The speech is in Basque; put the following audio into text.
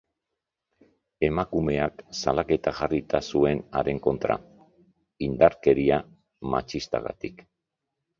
Emakumeak salaketa jarrita zuen haren kontra, indarkeria matxistagatik.